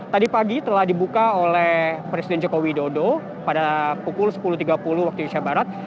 tadi pagi telah dibuka oleh presiden joko widodo pada pukul sepuluh tiga puluh waktu indonesia barat